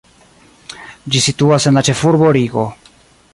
Ĝi situas en la ĉefurbo Rigo.